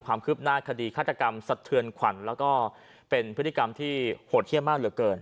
ความคืบหน้าคดีฆาตกรรมสะเทือนขวัญแล้วก็เป็นพฤติกรรมที่โหดเยี่ยมมากเหลือเกิน